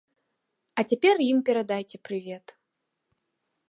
А цяпер ім перадайце прывет.